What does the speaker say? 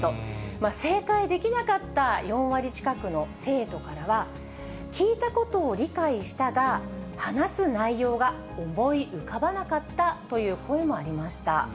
正解できなかった４割近くの生徒からは、聞いたことを理解したが、話す内容が思い浮かばなかったという声もありました。